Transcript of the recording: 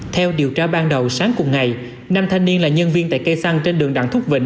theo điều tra ban đầu sáng cùng ngày năm thanh niên là nhân viên tại cây xăng trên đường đặng thúc vĩnh